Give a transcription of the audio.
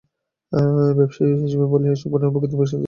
ব্যবসায়ী হিসেবে বলি, এসব ঘটনায় প্রকৃত ব্যবসায়ীদের ওপর কোনো প্রভাব পড়েনি।